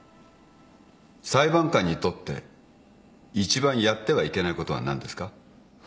裁判官にとって一番やってはいけないことは何ですか。